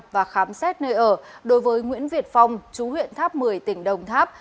và khám xét nơi ở đối với nguyễn việt phong chú huyện tháp một mươi tỉnh đồng tháp